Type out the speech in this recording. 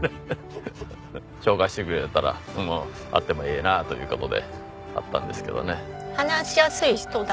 紹介してくれるんやったら会ってもええなという事で会ったんですけどね。